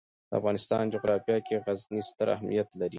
د افغانستان جغرافیه کې غزني ستر اهمیت لري.